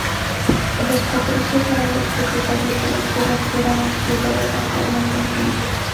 Los patricios eran los propietarios de las tierras que eran explotadas en forma conjunta.